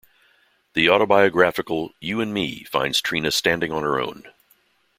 The autobiographical "U and Me" finds Trina standing on her own.